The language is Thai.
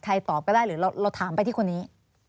ตอบก็ได้หรือเราถามไปที่คนนี้